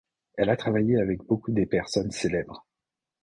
Elle a travaille avec beaucoup des personnes celebres.